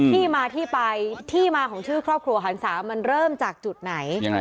ที่มาที่ไปที่มาของชื่อครอบครัวหันศามันเริ่มจากจุดไหนยังไง